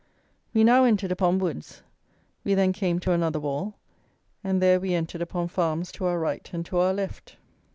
We now entered upon woods, we then came to another wall, and there we entered upon farms to our right and to our left.